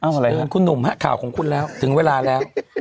เชิญคุณหนุ่มฮะข่าวของคุณแล้วถึงเวลาแล้ว